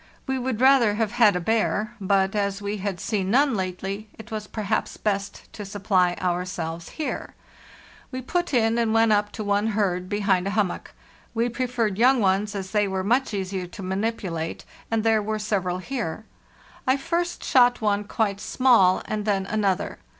We would rather have had a bear, but as we had seen none lately it was perhaps best to supply ourselves here. We put in, and went up to one herd behind a hummock. We preferred young ones, as they were much easier to manipulate; and there were several here. I first shot one quite small, and then another.